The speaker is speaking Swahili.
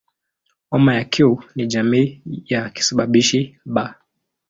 Homa ya Q ni jamii ya kisababishi "B".